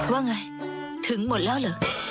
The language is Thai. ว่าไงถึงหมดแล้วเหรอ